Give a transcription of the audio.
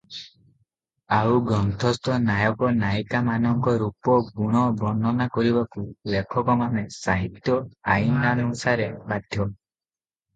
ଆଉ ଗ୍ରନ୍ଥସ୍ଥ ନାୟକ ନାୟିକାମାନଙ୍କ ରୂପ ଗୁଣ ବର୍ଣ୍ଣନା କରିବାକୁ ଲେଖକମାନେ ସାହିତ୍ୟ ଆଇନାନୁସାରେ ବାଧ୍ୟ ।